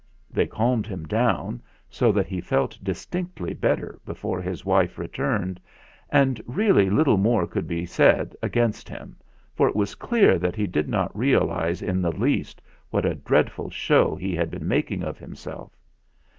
They calmed him down so that he felt dis tinctly better before his wife returned. And really little more could be said against him, for it was clear that he did not realise in the least what a dreadful show he had been mak ing of himself.